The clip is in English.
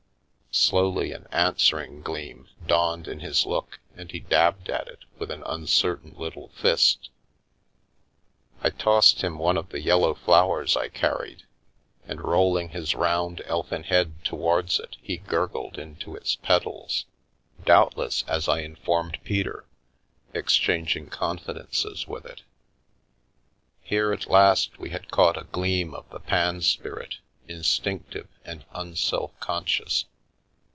Slowly an answering gleam dawned in his look and he dabbed at it with an uncertain little fist. I tossed him one of the yellow flowers I carried, and rolling his round elfin head to wards it he gurgled into its petals, doubtless, as I in 215 The Milky Way formed Peter, exchanging confidences with it. Here at last we had caught a gleam of the Pan spirit, instinctive and un self conscious.